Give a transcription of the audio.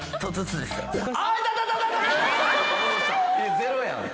ゼロやん。